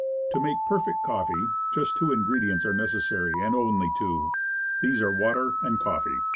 To make perfect coffee, just two ingredients are necessary, and only two. These are water and coffee.